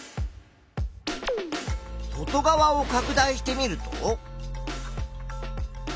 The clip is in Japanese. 外側をかく大してみると。